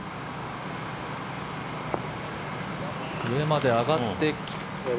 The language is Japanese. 上まで上がって。